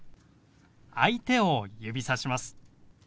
相手を指さします。